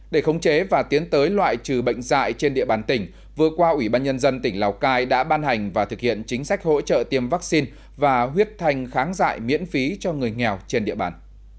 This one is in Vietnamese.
để khống chế và tiến tới loại trừ bệnh dạy trên địa bàn tỉnh vừa qua ủy ban nhân dân tỉnh lào cai đã ban hành và thực hiện chính sách hỗ trợ tiêm vaccine và huyết thanh kháng dạy miễn phí cho người nghèo trên địa bàn